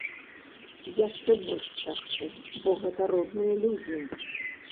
Яшчэ больш цяжкі, бо гэта родныя людзі.